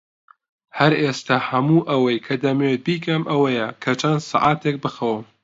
هەر ئێستا، هەموو ئەوەی کە دەمەوێت بیکەم ئەوەیە کە چەند سەعاتێک بخەوم.